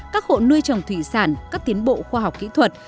các hộ nuôi trồng thủy sản các tiến bộ khoa học kỹ thuật